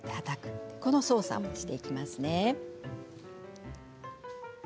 この操作をしていきますね。